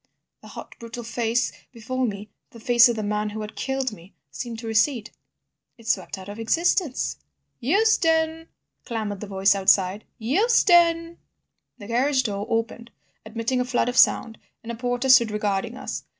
The hot, brutal face before me, the face of the man who had killed me, seemed to recede. It swept out of existence—" "Euston!" clamoured the voices outside; "Euston!" The carriage door opened admitting a flood of sound, and a porter stood regarding us.